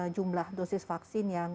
jumlah dosis vaksin yang